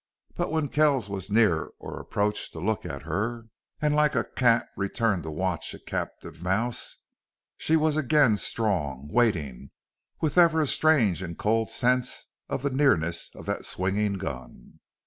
But when Kells was near or approached to look at her, like a cat returned to watch a captive mouse, she was again strong, waiting, with ever a strange and cold sense of the nearness of that swinging gun.